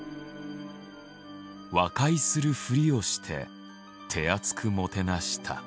和解するふりをして手厚くもてなした。